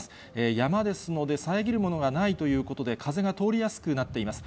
山ですので、遮るものがないということで、風が通りやすくなっています。